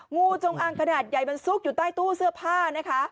งูจงอางขนาดใหญ่มันซุกอยู่ใต้ตู้เสื้อผ้านะคะ